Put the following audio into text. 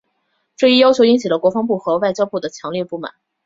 这一要求引起了国防部和外交部的强烈不满。